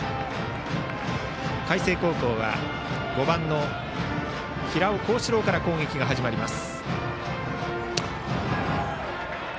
海星高校は５番の平尾幸志郎から攻撃が始まります。